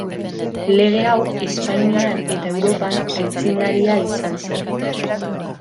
Lege hau Espainian eta Europan aitzindaria izan zen.